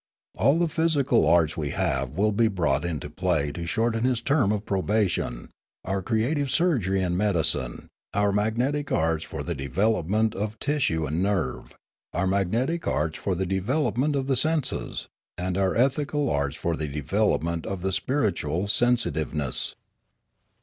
All the physical arts we have will be brought into play to shorten his term of probation, our creative surgery and medicine, our arts for the development of tissue and nerve, our magnetic arts for the development of the senses, and our ethical arts for the development of the spiritual sensitiveness.